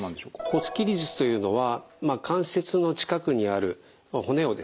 骨切り術というのは関節の近くにある骨をですね